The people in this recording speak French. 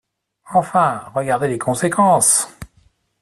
Enfin, regardez les conséquences !